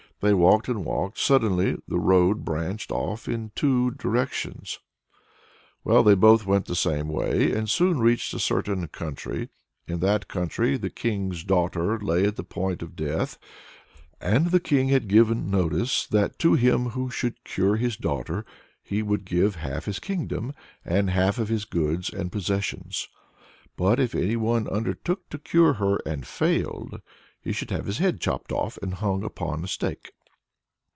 They walked and walked; suddenly the road branched off in two different directions. Well, they both went the same way, and soon reached a certain country. In that country the King's daughter lay at the point of death, and the King had given notice that to him who should cure his daughter he would give half of his kingdom, and half of his goods and possessions; but if any one undertook to cure her and failed, he should have his head chopped off and hung up on a stake.